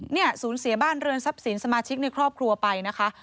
เนี่ยศูนย์เสียบ้านเรินทรัพย์สินสมาชิกในครอบครัวไปนะคะ